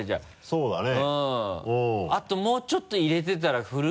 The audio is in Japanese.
そうだね。